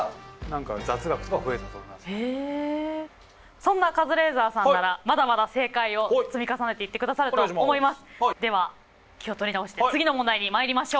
そんなカズレーザーさんならまだまだ正解を積み重ねていってくださると思います。